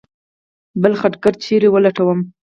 بل خټګر چېرې ولټومه.